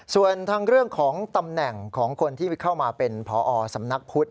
ส่วนทางเรื่องของตำแหน่งของคนที่เข้ามาเป็นพอสำนักพุทธ